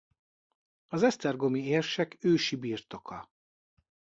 Az esztergomi érsek ősi birtoka.